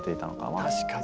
確かに。